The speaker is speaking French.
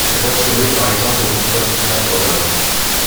La grotte Chauvet par exemple ne contient aucune peinture d'hommes.